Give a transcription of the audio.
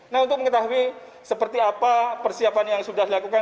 nah untuk mengetahui seperti apa persiapan yang sudah dilakukan